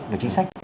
cái chính sách